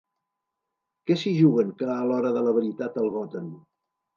Què s’hi juguen que a l’hora de la veritat el voten?